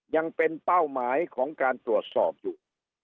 ยังเป็นเป้าหมายของการตรวจสอบอยู่